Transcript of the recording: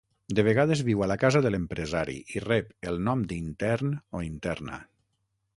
De vegades viu a la casa de l'empresari i rep el nom d'intern o interna.